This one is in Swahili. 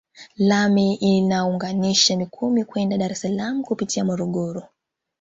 Lami inaunganisha Mikumi kwenda Dar es Salaam kupitia Morogoro